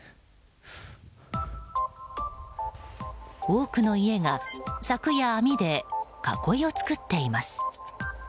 多くの家が柵や網で囲いを作っています。